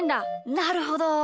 なるほど！